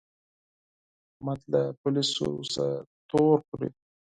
احمد له پوليسو څخه تور خوري.